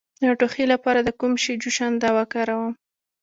د ټوخي لپاره د کوم شي جوشانده وکاروم؟